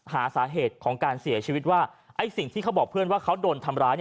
หาสาเหตุของการเสียชีวิตว่าไอ้สิ่งที่เขาบอกเพื่อนว่าเขาโดนทำร้าย